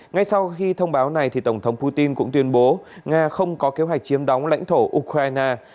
ngay sau khi thông báo này tổng thống putin cũng tuyên bố nga không có kế hoạch chiếm đóng lãnh thổ ukraine